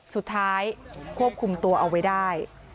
สุดท้ายควบคุมตัวเอาไว้ได้